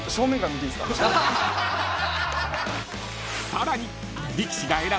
［さらに］